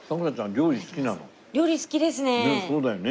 料理好きですね。